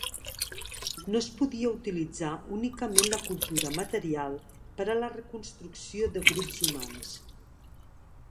No es podia utilitzar únicament la cultura material per a la reconstrucció de grups humans.